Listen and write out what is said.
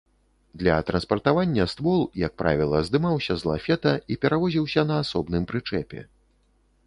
Для транспартавання ствол, як правіла, здымаўся з лафета і перавозіўся на асобным прычэпе.